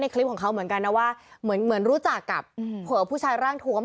คลิปของเขาเหมือนกันนะว่าเหมือนเหมือนรู้จักกับผู้ชายร่างทวม